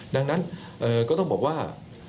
ดังนั้นก็ต้องบอกว่า